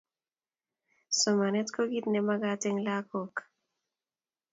Somanet kobkit be makat eng lakok